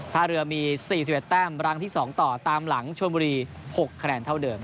ท่าเรือมีสี่สิบเอ็ดแต้มรังที่สองต่อตามหลังชนบุรีหกคะแนนเท่าเดิม